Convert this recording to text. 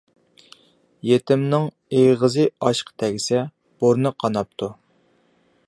يېتىمنىڭ ئېغىزى ئاشقا تەگسە بۇرنى قاناپتۇ.